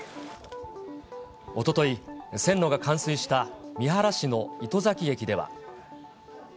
おととい、線路が冠水した三原市の糸崎駅では。